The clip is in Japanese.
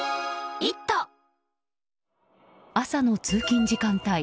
朝の通勤時間帯。